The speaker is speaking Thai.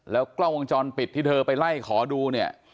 กล้องวงจรปิดที่เธอไปไล่ขอดูเนี่ย